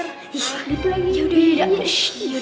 ya allah mudah mudahan